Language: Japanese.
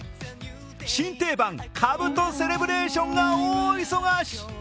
新定番、かぶとセレブレーションが大忙し。